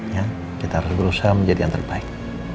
ya kita harus berusaha menjadi yang terbaik